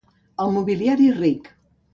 El mobiliari és ric.